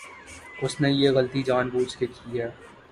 اس نے یہ غلطی جان بوجھ کے کی ہے۔